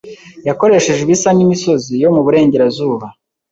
yakoresheje ibisa n’imisozi yo mu burengerazuba